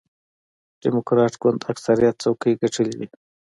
ډیموکراټ ګوند اکثریت څوکۍ ګټلې وې.